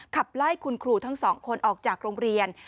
ขับไล่คุณครูทั้งสองคนออกจากโรงเรียน